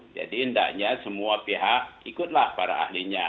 jadi indahnya semua pihak ikutlah para ahlinya